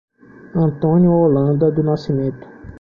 Antônio Holanda do Nascimento